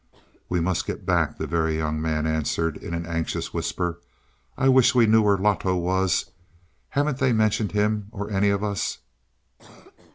"We must get back," the Very Young Man answered in an anxious whisper. "I wish we knew where Loto was; haven't they mentioned him or any of us?"